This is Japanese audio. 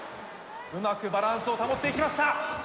うまくバランスを保っていきました。